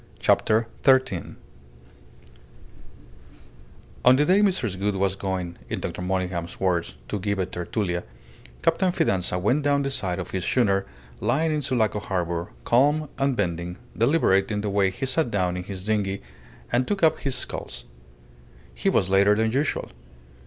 CHAPTER THIRTEEN On the day Mrs. Gould was going, in Dr. Monygham's words, to "give a tertulia," Captain Fidanza went down the side of his schooner lying in Sulaco harbour, calm, unbending, deliberate in the way he sat down in his dinghy and took up his sculls. He was later than usual.